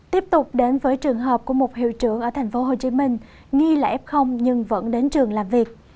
tiếp tục đến với trường hợp của một hiệu trưởng ở tp hcm nghi là f nhưng vẫn đến trường làm việc